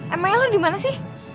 emangnya lo dimana sih